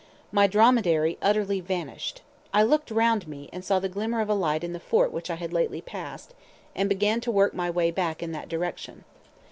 My dromedary utterly vanished. I looked round me, and saw the glimmer of a light in the fort which I had lately passed, and I began to work my way back in that direction.